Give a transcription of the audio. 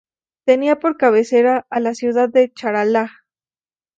Tenía por cabecera a la ciudad de Charalá.